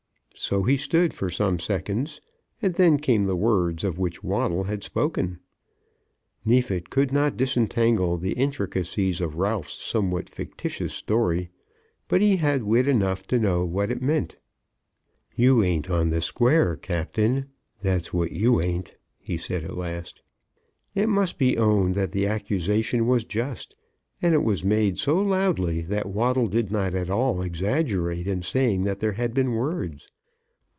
So he stood for some seconds, and then came the words of which Waddle had spoken. Neefit could not disentangle the intricacies of Ralph's somewhat fictitious story; but he had wit enough to know what it meant. "You ain't on the square, Captain. That's what you ain't," he said at last. It must be owned that the accusation was just, and it was made so loudly that Waddle did not at all exaggerate in saying that there had been words.